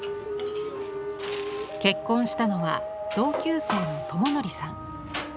結婚したのは同級生の智則さん。